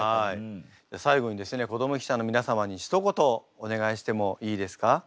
最後にですね子ども記者の皆様にひと言お願いしてもいいですか？